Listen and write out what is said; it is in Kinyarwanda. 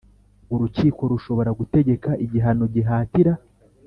Urukiko rushobora gutegeka igihano gihatira